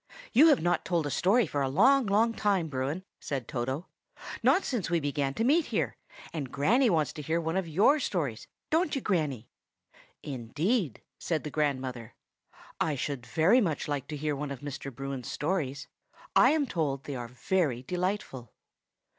"You have not told a story for a long, long time, Bruin," said Toto,—"not since we began to meet here; and Granny wants to hear one of your stories; don't you, Granny?" "Indeed," said the grandmother, "I should like very much to hear one of Mr. Bruin's stories. I am told they are very delightful."